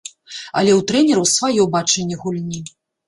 Але ў трэнераў сваё бачанне гульні.